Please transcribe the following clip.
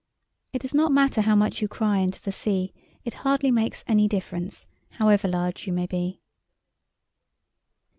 It does not matter how much you cry into the sea, it hardly makes any difference, however large you may be.